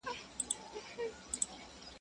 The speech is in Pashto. پرېږده دا کیسه اوس د اورنګ خبري نه کوو.